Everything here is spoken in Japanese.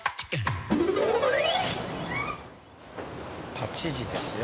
８時ですよ。